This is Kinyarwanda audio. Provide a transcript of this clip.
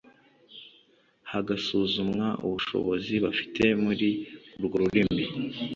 hagasuzumwa ubushobozi bafite muri urwo rurimi